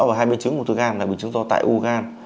là hai biến chứng ưu thư gan là biến chứng do tại ưu gan